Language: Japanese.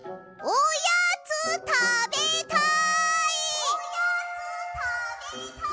おやつたべたい。